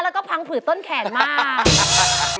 แล้วก็พังผืดต้นแขนมาก